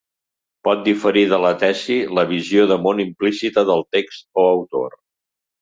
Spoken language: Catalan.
Pot diferir de la tesi-la visió de món implícita del text o autor.